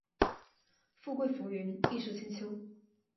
富贵浮云，艺术千秋